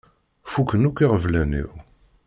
Fukken akk iɣeblan-iw.